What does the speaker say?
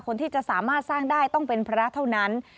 คนที่จะสามารถสร้างได้ต้องเป็นพระเท่านั้น